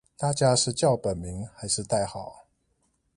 大家是叫本名還是代號